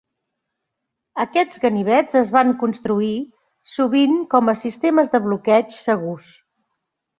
Aquests ganivets es van construir sovint com a a sistemes de bloqueig segurs.